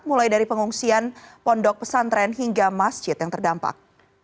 mulai dari pengungsian pondok pesantren hingga masjid yang terdampak